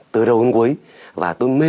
từ đầu đến cuối và tôi mê